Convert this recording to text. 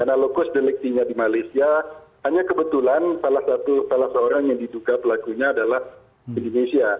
karena logos deliktinya di malaysia hanya kebetulan salah satu salah seorang yang diduga pelakunya adalah indonesia